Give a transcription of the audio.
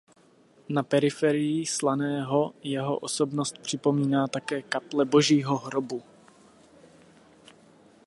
Na periferii Slaného jeho osobnost připomíná také kaple Božího hrobu.